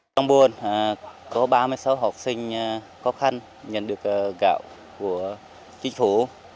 trong buôn có ba mươi sáu học sinh khó khăn nhận được gạo của chính phủ